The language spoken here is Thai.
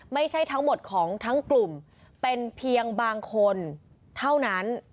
ไม่ใช่ทั้งหมดของทั้งกลุ่มเป็นเพียงบางคนเท่านั้น